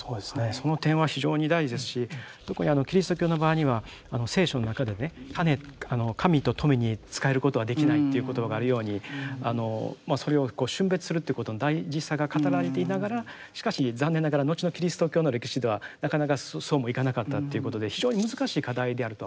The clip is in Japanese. その点は非常に大事ですし特にキリスト教の場合には聖書の中でね神と富に仕えることはできないという言葉があるようにそれを峻別するってことの大事さが語られていながらしかし残念ながら後のキリスト教の歴史ではなかなかそうもいかなかったということで非常に難しい課題であるとは思うんですよね。